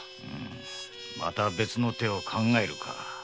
また別の手を考えるか。